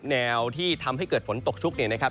แนวที่ทำให้เกิดฝนตกชุกเนี่ยนะครับ